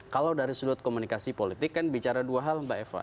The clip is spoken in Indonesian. kalau dari sudut komunikasi politik kan bicara dua hal mbak eva